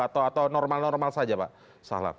atau normal normal saja pak sahlad